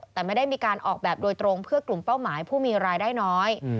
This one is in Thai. แต่ไม่ได้มีการออกแบบโดยตรงเพื่อกลุ่มเป้าหมายผู้มีรายได้น้อย